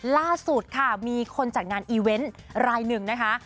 ล่าสุดค่ะมีคนจัดงานอีเวนต์รายหนึ่งนะคะ